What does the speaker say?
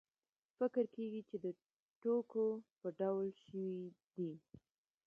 فکر کېږي چې د ټوکو په ډول شوې دي.